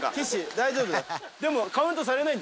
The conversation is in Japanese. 大丈夫よ。